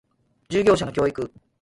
従業者の教育